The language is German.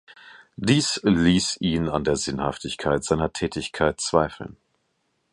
Dies ließ ihn an der Sinnhaftigkeit seiner Tätigkeit zweifeln.